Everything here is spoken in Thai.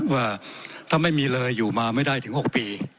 ว่าถ้าไม่มีเลยอยู่มาไม่ได้ถึง๖ปี